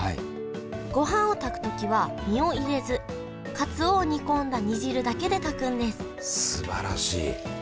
ごはんを炊く時は身を入れずかつおを煮込んだ煮汁だけで炊くんですすばらしい。